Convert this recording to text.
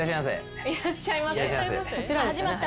いらっしゃいませ？